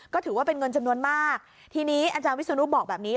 ก็ถือว่าเป็นเงินจำนวนมากทีนี้อาจารย์วิศนุบอกแบบนี้